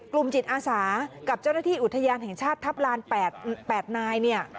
กลุ่มจิตอาสากับเจ้าหน้าที่อุทยานแห่งชาติทัพลาน๘นายเนี่ย